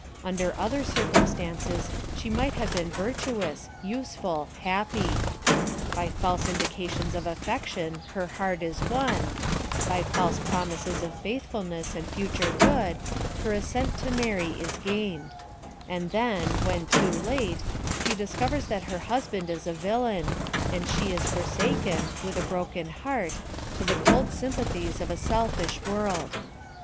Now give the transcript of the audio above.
Under other circumstances she might have been virtuous, useful, happy. By false indications of affection her Pieart is won — by false promises of faithfulness and future good, her assent to marry is gained — and then, when too late, she discovers that her husband is a villain, and she is forsaken, with a broken heart, to the cold sym pathies of a selfish world.